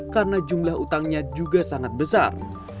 karena jumlah utangnya juga sangat besar